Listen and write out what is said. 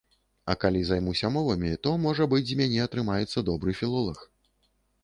А калі займуся мовамі, то, можа быць, з мяне атрымаецца добры філолаг.